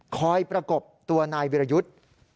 ประกบตัวนายวิรยุทธ์